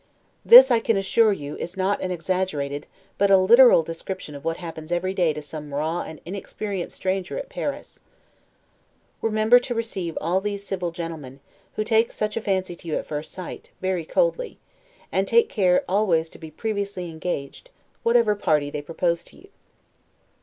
This I can assure you, is not an exaggerated, but a literal description of what happens every day to some raw and inexperienced stranger at Paris. Remember to receive all these civil gentlemen, who take such a fancy to you at first sight, very coldly, and take care always to be previously engaged, whatever party they propose to you.